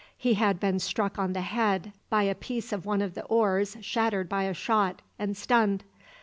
He had been struck on the head by a piece of one of the oars shattered by a shot, and stunned.